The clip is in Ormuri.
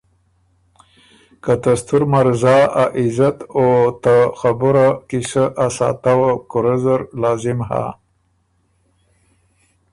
که ته ستُر مرزا ا عزت او ته خبُره قیصۀ ا ساتؤ وه کوُرۀ زر لازم هۀ۔